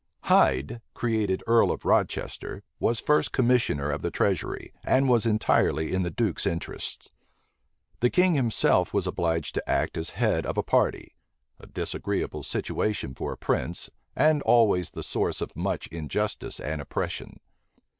Hyde, created earl of Rochester, was first commissioner of the treasury, and was entirely in the duke's interests. The king himself was obliged to act as the head of a party; a disagreeable situation for a prince, and always the source of much injustice and oppression.